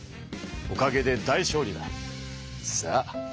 おかげで大勝利だ。さあ。